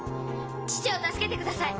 父を助けてください！